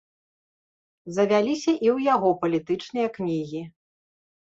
Завяліся і ў яго палітычныя кнігі.